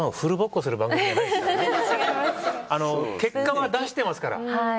結果は出してますから。